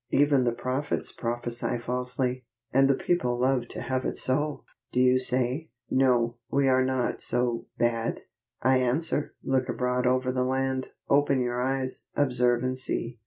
Even the prophets prophesy falsely, and the people love to have it so! Do you say, "No, we are not so bad?" I answer, look abroad over the land, open your eyes, observe and see.